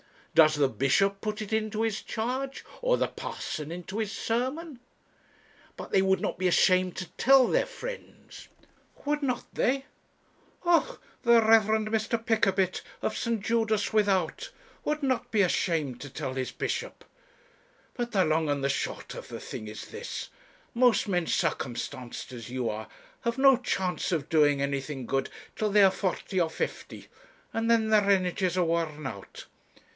Does the bishop put it into his charge, or the parson into his sermon?' 'But they would not be ashamed to tell their friends.' 'Would not they? Oh! the Rev. Mr. Pickabit, of St. Judas Without, would not be ashamed to tell his bishop! But the long and the short of the thing is this; most men circumstanced as you are have no chance of doing anything good till they are forty or fifty, and then their energies are worn out.